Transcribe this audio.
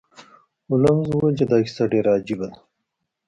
هولمز وویل چې دا کیسه ډیره عجیبه ده.